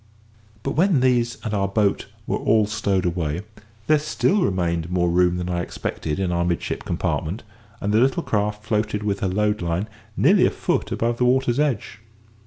But when these and our boat were all stowed away, there still remained more room than I expected in our midship compartment, and the little craft floated with her load line nearly a foot above the water's edge.